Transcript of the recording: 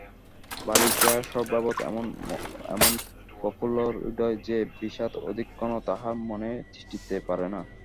বালিকা স্বভাবতঃ এমন প্রফুল্লহৃদয় যে, বিষাদ অধিক ক্ষণ তাহার মনে তিষ্ঠিতে পারে না।